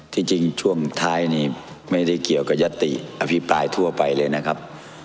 ที่จริงช่วงท้ายนี้ไม่ได้เกี่ยวกับยัตติอภิปรายทั่วไปเลยนะครับ